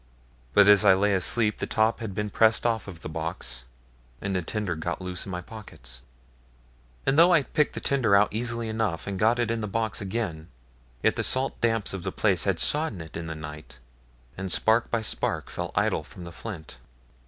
But as I lay asleep the top had been pressed off the box, and the tinder got loose in my pocket; and though I picked the tinder out easily enough, and got it in the box again, yet the salt damps of the place had soddened it in the night, and spark by spark fell idle from the flint.